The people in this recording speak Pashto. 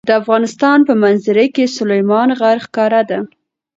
د افغانستان په منظره کې سلیمان غر ښکاره ده.